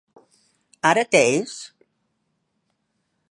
Ara què és?